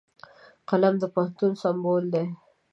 قلم د پوهنتون سمبول دی